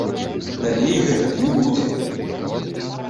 Далей гэтак не будзе!